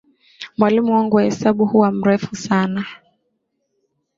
Mwalimu wangu wa hesabu huwa mrefu sana.